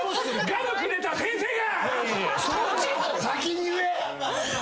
ガムくれた先生が！